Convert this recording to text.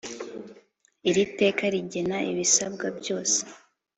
Iri teka rigena ibisabwa byose